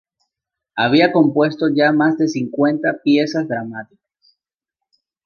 Había compuesto ya más de cincuenta piezas dramáticas.